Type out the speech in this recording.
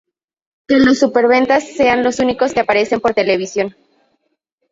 que los superventas sean los únicos que aparecen por televisión